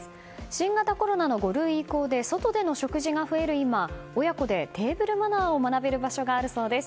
新型コロナの５類以降で外での食事が増える今親子でテーブルマナーを学べる場所があるそうです。